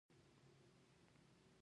خو پۀ سترګو کښې ناامېدې ځلېده ـ